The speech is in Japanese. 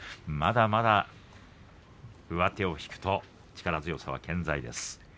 まだまだ上手を引くと力強さは健在です。